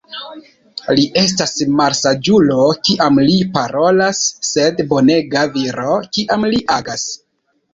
Li estas malsaĝulo, kiam li parolas, sed bonega viro, kiam li agas.